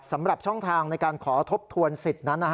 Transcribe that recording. สำหรับช่องทางในการขอทบทวนสิทธิ์นั้น